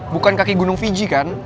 bukan kaki gunung fiji kan